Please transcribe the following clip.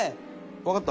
わかった？